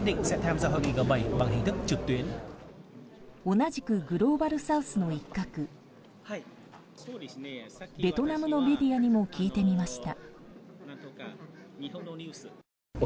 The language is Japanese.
同じくグローバルサウスの一角ベトナムのメディアにも聞いてみました。